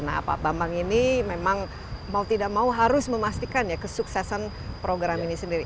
nah pak bambang ini memang mau tidak mau harus memastikan ya kesuksesan program ini sendiri